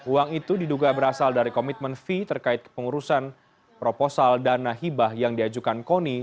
uang itu diduga berasal dari komitmen fi terkait pengurusan proposal danahibah yang diajukan koni